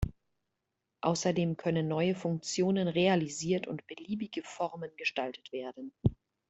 Außerdem können neue Funktionen realisiert und beliebige Formen gestaltet werden.